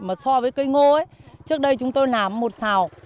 mà so với cây ngô ấy trước đây chúng tôi làm một xào